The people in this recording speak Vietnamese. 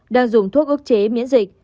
đang dùng thuốc ước chế miễn dịch